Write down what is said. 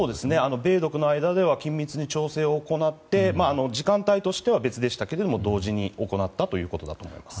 米独の間では緊密に調整を行って時間帯としては別でしたが同時に行ったということだと思います。